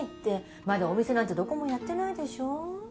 まだお店なんてどこもやってないでしょ。